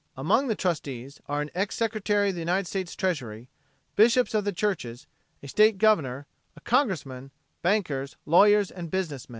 Among the trustees are an ex Secretary of the United States Treasury, bishops of the churches, a state governor, a congressman, bankers, lawyers and business men.